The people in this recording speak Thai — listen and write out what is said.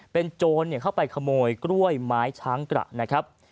เป็นโจรเข้าไปขโมยกล้วยไม้ช้างกระนะครับ